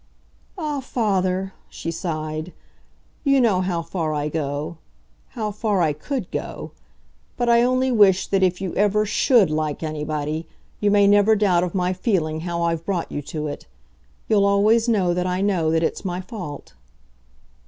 "Ah, father," she sighed, "you know how far I go how far I COULD go. But I only wish that if you ever SHOULD like anybody, you may never doubt of my feeling how I've brought you to it. You'll always know that I know that it's my fault."